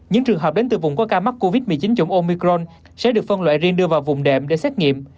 những trường hợp đến từ vùng có ca mắc covid một mươi chín chống omicron sẽ được phân loại riêng đưa vào vùng đệm để xét nghiệm